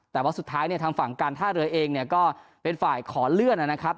แต่ว่าสุดท้ายเนี่ยทางฝั่งการท่าเรือเองเนี่ยก็เป็นฝ่ายขอเลื่อนนะครับ